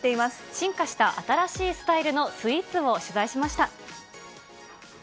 進化した新しいスタイルのスイーツを取材しました。